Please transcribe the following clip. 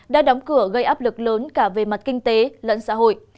đã đóng cửa gây áp lực lớn cả về mặt kinh tế lẫn xã hội